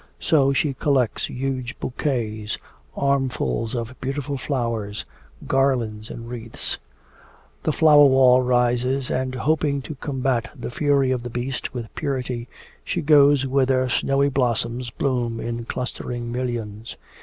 So she collects huge bouquets, armfuls of beautiful flowers, garlands and wreaths. The flower wall rises, and hoping to combat the fury of the beast with purity, she goes whither snowy blossoms bloom in clustering millions.